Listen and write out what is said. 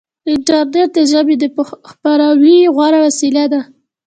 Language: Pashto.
انټرنیټ د ژبې د خپراوي غوره وسیله ده.